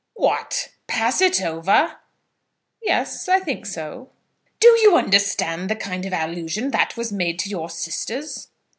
"What! pass it over?" "Yes; I think so." "Do you understand the kind of allusion that was made to your sisters?"